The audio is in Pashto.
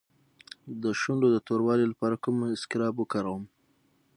د شونډو د توروالي لپاره کوم اسکراب وکاروم؟